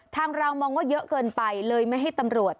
ทางเรามองว่าเยอะเกินไปเลยไม่ให้ตำรวจ